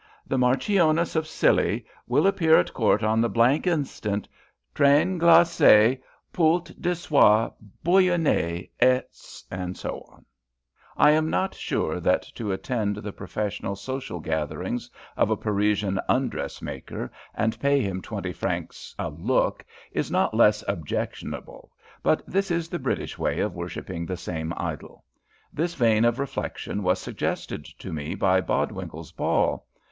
The Marchioness of Scilly will appear at Court on the inst. Train glacé poult de soie bouillionée, &c. I am not sure that to attend the professional social gatherings of a Parisian "undressmaker" and pay him twenty francs a "look" is not less objectionable, but this is the British way of worshipping the same idol. This vein of reflection was suggested to me by Bodwinkle's ball.